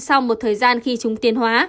sau một thời gian khi chúng tiến hóa